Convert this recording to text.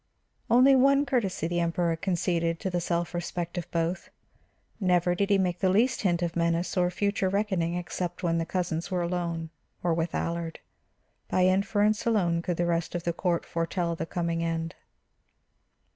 Only one courtesy the Emperor conceded to the self respect of both; never did he make the least hint of menace or future reckoning except when the cousins were alone or with Allard. By inference alone could the rest of the court foretell the coming end.